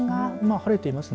晴れていますね。